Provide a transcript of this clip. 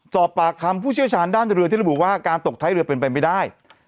สอบปากคำผู้เชี่ยวชาญด้านเรือที่ระบุว่าการตกท้ายเรือเป็นไปไม่ได้